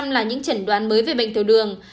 một mươi hai là những chuyển đoán mới về bệnh tiểu đường